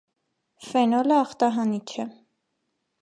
Ֆենոլը ախտահանիչ է։